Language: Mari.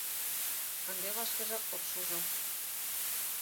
— Ынде вашкежак от шужо.